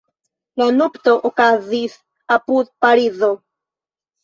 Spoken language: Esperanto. La nupto okazis apud Parizo.